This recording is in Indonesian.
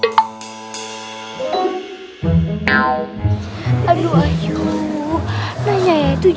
ya rambutnya jangan ada yang keliatan ya